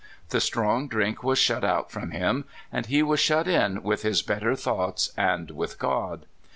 The strong drink was shut out from him, and he was shut in with his better thoughts and with God.